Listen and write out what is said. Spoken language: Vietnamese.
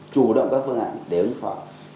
chủ động các phương án để ứng phó